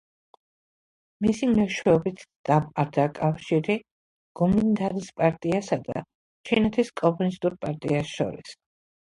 მისი მეშვეობით დამყარდა კავშირი გომინდანის პარტიასა და ჩინეთის კომუნისტურ პარტია შორის.